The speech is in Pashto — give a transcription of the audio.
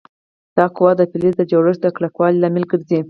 دا قوه د فلز د جوړښت د کلکوالي لامل ګرځي.